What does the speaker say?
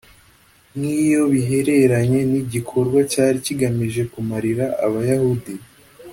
nk iyo bihereranye n igikorwa cyari kigamije kumarira Abayahudi